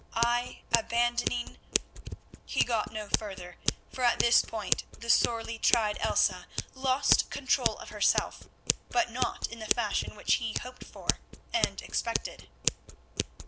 I, abandoning——" He got no further, for at this point the sorely tried Elsa lost control of herself, but not in the fashion which he hoped for and expected.